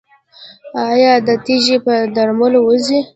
ایا دا تیږه په درملو وځي؟